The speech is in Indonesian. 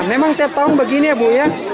memang setiap tahun begini ya bu ya